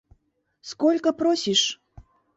Сколько просишь?